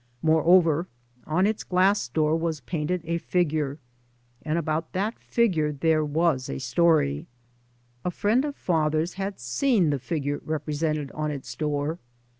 Moreover, on its glass door was ' painted a figure, and about that figure there was a story. A friend of father's had seen 3 by Google MY. MOTHER AND I the figure represented on its door.